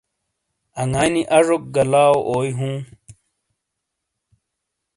انگائی نیاجوک گہ لاؤاوئی ہوں۔